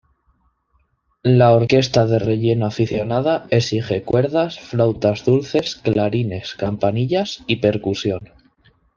La orquesta de relleno aficionada exige cuerdas, flautas dulces, clarines, campanillas y percusión.